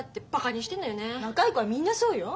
若い子はみんなそうよ。